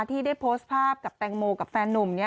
ที่ได้โพสต์ภาพกับแตงโมกับแฟนนุ่ม